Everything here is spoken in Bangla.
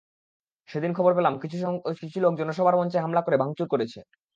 সেদিন খবর পেলাম কিছু লোক জনসভার মঞ্চে হামলা করে ভাঙচুর করেছে।